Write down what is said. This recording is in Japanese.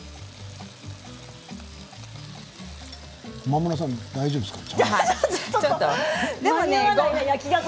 駒村さんは大丈夫ですか？